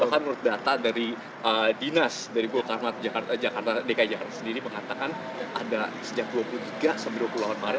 bahkan menurut data dari dinas dari bukalmat dki jakarta sendiri mengatakan ada sejak dua puluh tiga dua puluh delapan maret ada tiga puluh kasus kebakaran